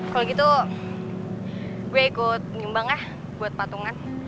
kalau gitu gue ikut nyumbang ya buat patungan